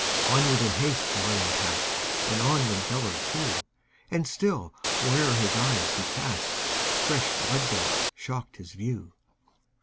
Onward, in haste, Llewelyn passed, And on went Gêlert too; And still, where'er his eyes he cast, Fresh blood gouts shocked his view.